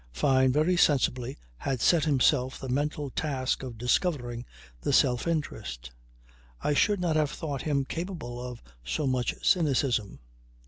Fyne very sensibly had set himself the mental task of discovering the self interest. I should not have thought him capable of so much cynicism.